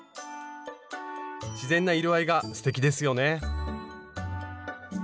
自然な色合いがすてきですよね。